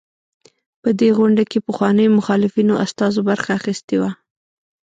په دې غونډه کې پخوانيو مخالفینو استازو برخه اخیستې وه.